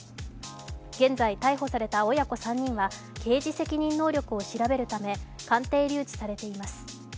現在、逮捕された親子３人は刑事責任能力を調べるため鑑定留置されています。